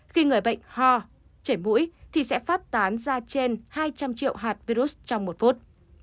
khi người bệnh ho chảy mũi thì sẽ phát tán ra trên hai trăm linh triệu hạt virus trong một phút